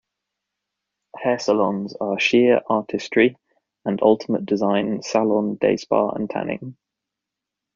Hair salons are Shear Artistry and Ultimate Design Salon Day Spa and Tanning.